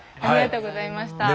ありがとうございます。